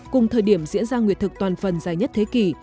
cùng thời điểm diễn ra nguyệt thực toàn phần dài nhất thế kỷ